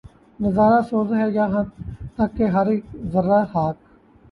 نظارہ سوز ہے یاں تک ہر ایک ذرّۂ خاک